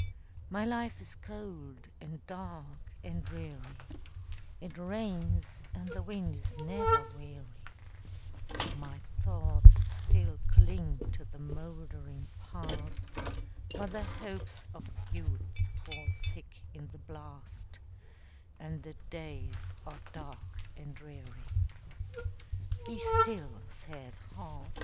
My life is cold, and dark, and dreary; It rains, and the wind is never weary; My thoughts still cling to the moldering Past, But the hopes of youth fall thick in the blast, And the days are dark and dreary. Be still, sad heart!